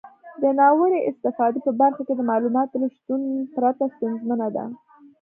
د ناوړه استفادې په برخه کې د معلوماتو له شتون پرته ستونزمنه ده.